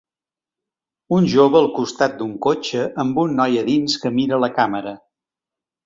Un jove al costat d'un cotxe amb un noi a dins que mira la càmera.